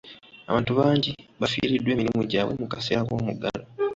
Abantu bangi bafiiriddwa emirimu gyabwe mu kaseera k'omuggalo.